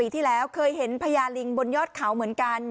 ที่แล้วเคยเห็นพญาลิงบนยอดเขาเหมือนกัน